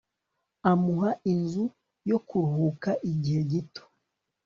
Amuha inzu yo kuruhuka igihe gito